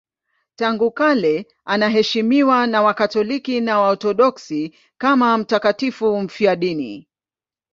Tangu kale anaheshimiwa na Wakatoliki na Waorthodoksi kama mtakatifu mfiadini.